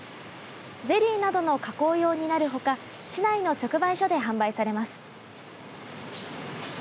ゼリーなどの加工用になるほか市内の直売所で販売されます。